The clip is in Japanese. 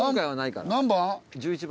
何番？